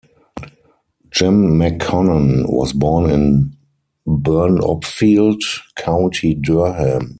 Jim McConnon was born in Burnopfield, County Durham.